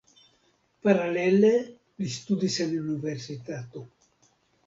Paralele li studis en universitato.